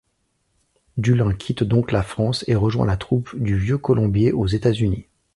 Dullin quitte donc la France et rejoint la troupe du Vieux-Colombier aux États-Unis.